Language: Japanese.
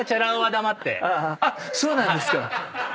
あっそうなんですか。